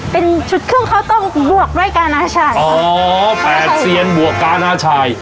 เป็นชุดเครื่องข้าวต้มบวกด้วยกานาชัยอ๋อแปดเซียนบวกกานาชัย